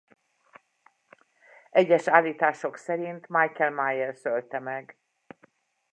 Egyes állítások szerint Michael Myers ölte meg.